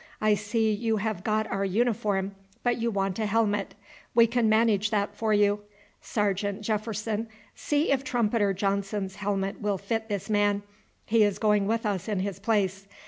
I see you have got our uniform, but you want a helmet. We can manage that for you. Sergeant Jepherson, see if Trumpeter Johnson's helmet will fit this man; he is going with us in his place.